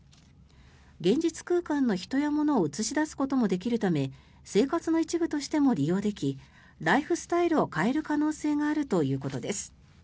現実空間の人や物を映し出すこともできるため生活の一部としても利用できライフスタイルを変える可能性があるということです。